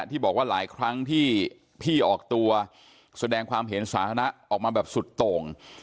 ที่บอกว่าหลายครั้งที่พี่ออกตัวแสดงความเห็นสาธารณะออกมาแบบสุดโต่ง